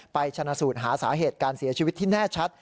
ชนะสูตรหาสาเหตุการเสียชีวิตที่แน่ชัด